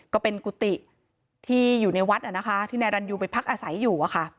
ก็เป็นกุฏิที่อยู่ในวัดที่นายรันยูไปพักอาศัยอยู่